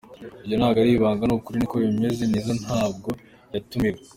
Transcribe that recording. Ibyo ntabwo ari ibanga, ni ukuri, niko bimeze, Nizzo ntabwo yatumiwe.